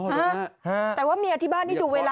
ฮะแต่ว่าเมียที่บ้านนี่ดูเวลา